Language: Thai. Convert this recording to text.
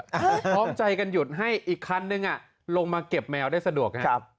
พร้อมใจกันหยุดให้อีกคันนึงลงมาเก็บแมวได้สะดวกนะครับ